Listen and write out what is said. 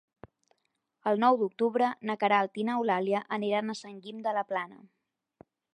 El nou d'octubre na Queralt i n'Eulàlia aniran a Sant Guim de la Plana.